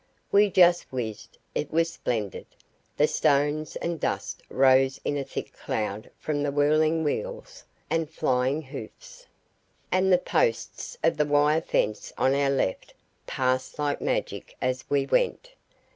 We just whizzed! It was splendid! The stones and dust rose in a thick cloud from the whirling wheels and flying hoofs, and the posts of the wire fence on our left passed like magic as we went.